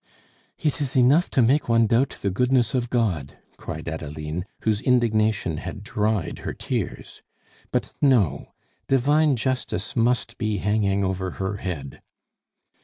"It is enough to make one doubt the goodness of God!" cried Adeline, whose indignation had dried her tears. "But, no! Divine justice must be hanging over her head."